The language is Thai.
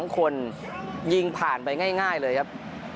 ๒คนยิงผ่านไปง่ายเลยครับ